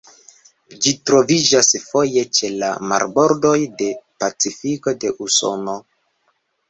Ĝi troviĝas foje ĉe la marbordoj de Pacifiko de Usono.